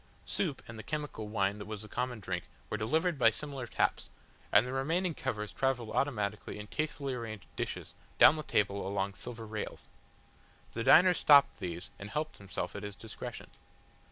Soup and the chemical wine that was the common drink were delivered by similar taps, and the remaining covers travelled automatically in tastefully arranged dishes down the table along silver rails. The diner stopped these and helped himself at his discretion.